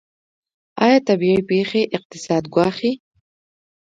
آیا طبیعي پیښې اقتصاد ګواښي؟